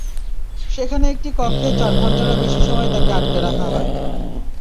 সেখানে একটি কক্ষে চার ঘণ্টারও বেশি সময় তাকে আটকে রাখা হয়।